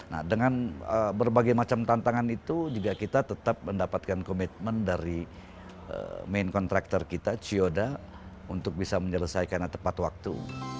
nah dengan berbagai macam tantangan itu juga kita tetap mendapatkan komitmen dari main contractor kita cioda untuk bisa menyelesaikannya tepat waktu